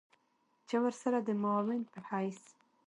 چې ورسره د معاون په حېث